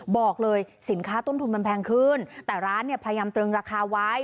บอกเลยสินค้าทุนทุนแพงขึ้นแต่ร้านพยายามเติมราคาไว้